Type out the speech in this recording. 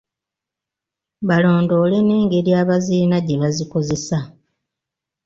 Balondoole n’engeri abazirina gye bazikozesa.